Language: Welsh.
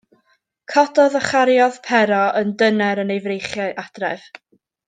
Cododd a chariodd Pero yn dyner yn ei freichiau adref.